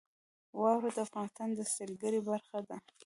واوره د افغانستان د سیلګرۍ برخه ده.